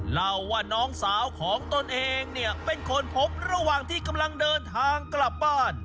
เล่าว่าน้องสาวของตนเองเนี่ยเป็นคนพบระหว่างที่กำลังเดินทางกลับบ้าน